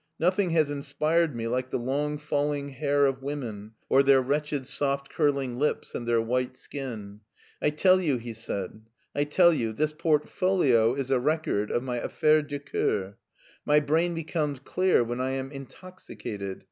Nothing has inspired me like the long falling hair of women or their wretched soft curving lips and their white skin. I tell you," he said, " I tell you, this portfolio is a record of my affaires de ccBur. My brain becomes clear when I am intoxi cated.